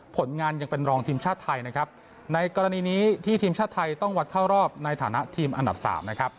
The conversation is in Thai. ผลงานยังเป็นรองทีมชาติไทยนะครับในกรณีนี้ที่ทีมชาติไทยต้องวัดเข้ารอบในฐานะทีมอันดับสามนะครับ